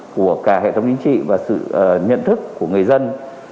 của cả hệ thống chính trị và sự nhận thức của người dân